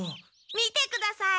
見てください。